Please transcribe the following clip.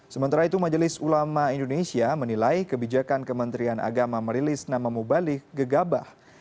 sementara itu majelis ulama indonesia menilai kebijakan kementerian agama merilis nama mubalik gegabah